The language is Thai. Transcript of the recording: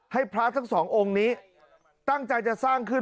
ให้พระทั้งสององค์นี้ตั้งใจจะสร้างขึ้น